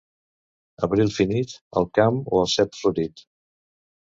Abril finit, el camp o el cep florit.